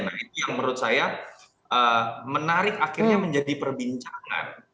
nah itu yang menurut saya menarik akhirnya menjadi perbincangan